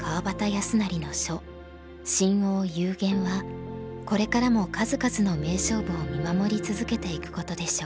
康成の書「深奥幽玄」はこれからも数々の名勝負を見守り続けていくことでしょう。